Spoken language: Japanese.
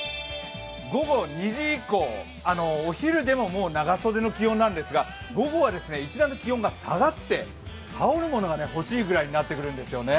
午後２時以降、お昼でももう長袖の気温なんですが、午後は、一段と気温が下がって羽織るものが欲しいぐらいになってきますね。